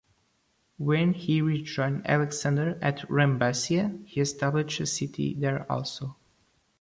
When he rejoined Alexander at Rhambacia he established a city there also.